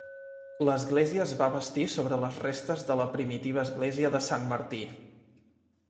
L'església es va bastir sobre les restes de la primitiva església de Sant Martí.